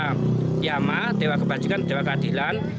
yang pahana yang padara dewa kebajikan dewa keadilan